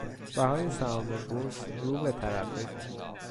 بهای سهام بورس رو به ترقی بود.